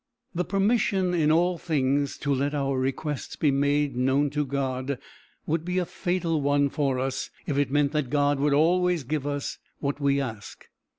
The permission in all things to let our requests be made known to God would be a fatal one for us if it meant that God would always give us what we ask.